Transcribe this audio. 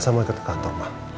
saya mau ikut ke kantor mah